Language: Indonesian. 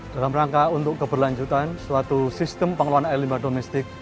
dalam rangka untuk keberlanjutan suatu sistem pengelolaan air limbah domestik